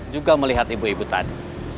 juga melihat ibu ibu tadi